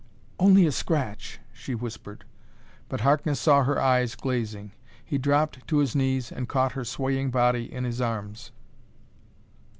"Only a scratch," she whispered, but Harkness saw her eyes glazing. He dropped to his knees and caught her swaying body in his arms.